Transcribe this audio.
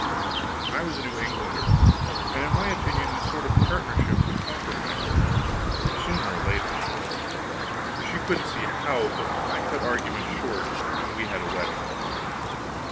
I was a New Englander, and in my opinion this sort of partnership would compromise her, sooner or later. She couldn't see how, but I cut argument short and we had a wedding.